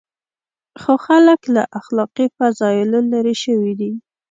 خو خلک له اخلاقي فضایلو لرې شوي دي.